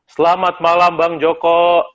selamat malam bang jopo